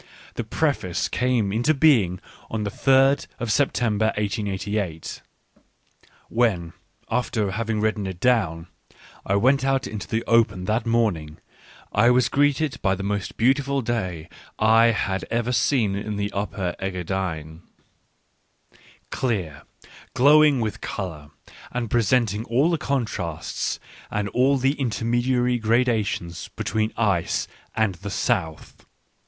The Preface came into being on 3rd September 1888. When, after having written it down, I went out into the open that morning, I was greeted by the most beautiful day I had ever seen in the Upper Engadine — clear, glowing with colour, and presenting all the contrasts and all the intermediary gradations between ice and the south.